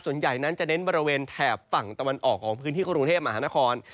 ส่วนใหญ่นั้นจะเน้นบริเวณแถบฝั่งตะวันออกของพื้นที่กรุงเทพมหานคร